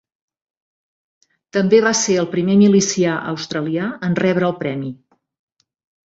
També va ser el primer milicià australià en rebre el premi.